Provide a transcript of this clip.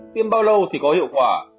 tiêm bao lâu thì có hiệu quả